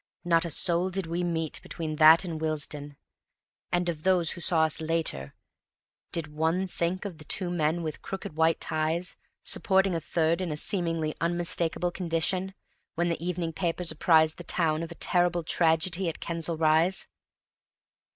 Not a soul did we meet between that and Willesden; and of those who saw us later, did one think of the two young men with crooked white ties, supporting a third in a seemingly unmistakable condition, when the evening papers apprised the town of a terrible tragedy at Kensal Rise?